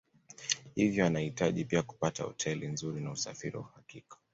Hivyo anahitaji pia kupata hoteli nzuri na usafiri wa uhakika